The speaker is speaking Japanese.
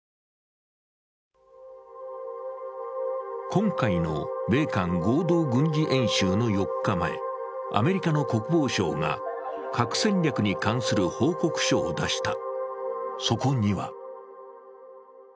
今回の米韓合同演習の４日前、アメリカの国防相が、核戦略に関する報告書を出した。